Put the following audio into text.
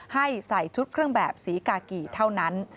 ให้ใส่ชุดเครื่องแบบสีกากีเท่านั้น